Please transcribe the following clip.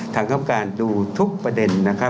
ทางค้ำการดูทุกประเด็น